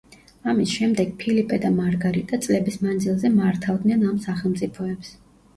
ამის შემდეგ ფილიპე და მარგარიტა წლების მანძილზე მართავდნენ ამ სახელმწიფოებს.